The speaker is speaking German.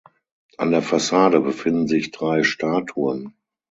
An der Fassade befinden sich drei Statuen.